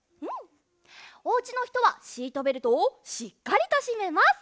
おうちのひとはシートベルトをしっかりとしめます。